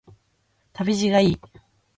旅路がいい